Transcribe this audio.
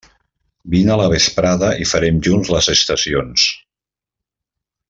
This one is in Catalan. Vine a la vesprada i farem junts les estacions.